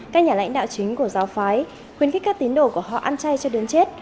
các nhà lãnh đạo chính của giáo phái khuyến khích các tín đồ của họ ăn chay cho đến chết